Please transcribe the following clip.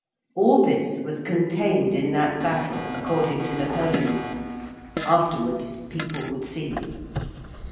All this was contained in that battle, according to Napoleon. Afterwards people would see.